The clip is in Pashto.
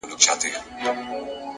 هره موخه د ځان قرباني غواړي,